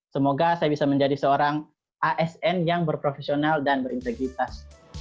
semoga saya bisa menjadi seorang asn yang berprofesional dan berintegritas